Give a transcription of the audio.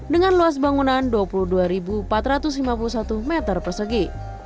dengan luas bangunan dua puluh dua empat ratus lima puluh satu meter persegi